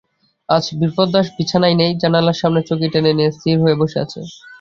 আজ বিপ্রদাস বিছানায় নেই, জানলার সামনে চৌকি টেনে নিয়ে স্থির বসে আছে।